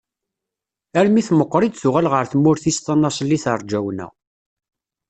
Armi tmeqqer i d-tuɣal ɣer tmurt-is tanaṣlit Rǧawna.